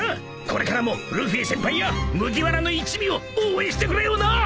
これからもルフィ先輩や麦わらの一味を応援してくれよな。